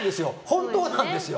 本当なんですよ。